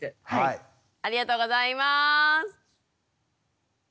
ありがとうございます。